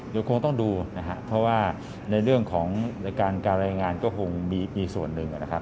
เดี๋ยวคงต้องดูนะครับเพราะว่าในเรื่องของการรายงานก็คงมีส่วนหนึ่งนะครับ